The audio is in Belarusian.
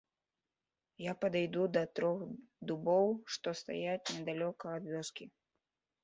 Я падыду да трох дубоў, што стаяць недалёка ад вёскі.